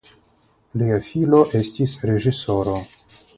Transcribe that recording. Lia filo estis reĝisoro.